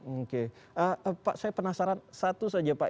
oke pak saya penasaran satu saja pak